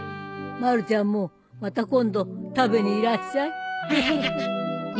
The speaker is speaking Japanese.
まるちゃんもまた今度食べにいらっしゃい。